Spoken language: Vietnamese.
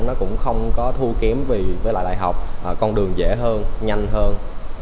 nó cũng không có thua kém vì với lại đại học con đường dễ hơn nhanh hơn